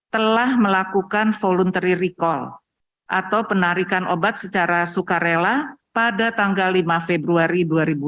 telah melakukan voluntary recall atau penarikan obat secara sukarela pada tanggal lima februari dua ribu dua puluh